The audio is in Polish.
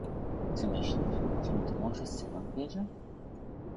— Czy myślisz, że mi to może sen odbierze?